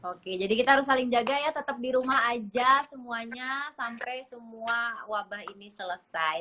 oke jadi kita harus saling jaga ya tetap di rumah aja semuanya sampai semua wabah ini selesai